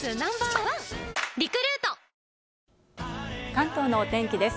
関東のお天気です。